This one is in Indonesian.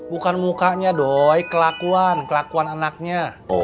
bukan mukanya dong kelakuan kelakuan anaknya